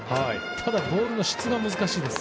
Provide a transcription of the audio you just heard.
ただ、ボールの質が難しいです。